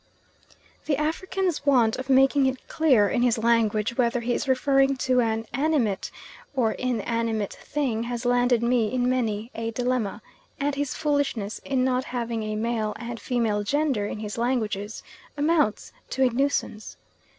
The African's want of making it clear in his language whether he is referring to an animate or inanimate thing, has landed me in many a dilemma, and his foolishness in not having a male and female gender in his languages amounts to a nuisance.